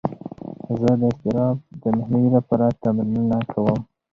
زه د اضطراب د مخنیوي لپاره تمرینونه کوم.